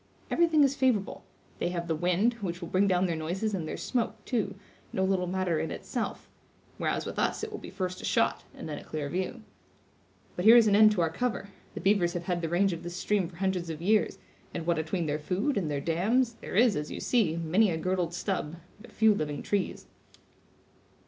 Everything is favorable; they have the wind, which will bring down their noises and their smoke, too, no little matter in itself; whereas, with us it will be first a shot, and then a clear view. But here is an end to our cover; the beavers have had the range of this stream for hundreds of years, and what atween their food and their dams, there is, as you see, many a girdled stub, but few living trees."